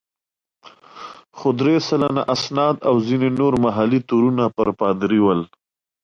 خو درې سلنه اسناد او ځینې نور محلي تورونه پر پادري ول.